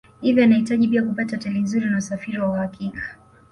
Hivyo anahitaji pia kupata hoteli nzuri na usafiri wa uhakika